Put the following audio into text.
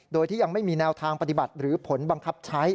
โดยที่ยังไม่มีแนวทางปฏิบัติหรือผลบังคับใช้